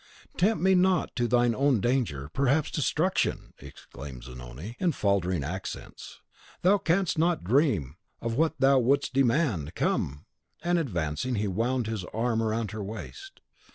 "Tempt me not to thine own danger, perhaps destruction!" exclaimed Zanoni, in faltering accents. "Thou canst not dream of what thou wouldst demand, come!" and, advancing, he wound his arm round her waist.